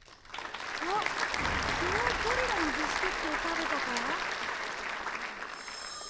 あっ昨日ゴリラのビスケットを食べたから？